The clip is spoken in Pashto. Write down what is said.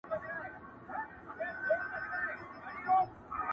٫آسمانه چېغو ته مي زور ورکړه٫